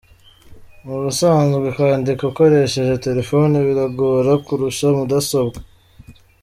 Mu busanzwe kwandika ukoresheje telefoni biragora kurusha mudasobwa.